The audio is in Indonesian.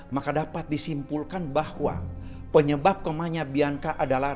maka dapat disimpulkan bahwa penyebab kemahnya bianka adalah